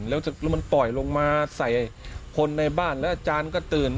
แล้วมันปล่อยลงมาใส่คนในบ้านแล้วอาจารย์ก็ตื่น